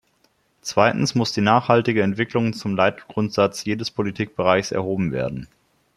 Zweitens muss die nachhaltige Entwicklung zum Leitgrundsatz jedes Politikbereichs erhoben werden.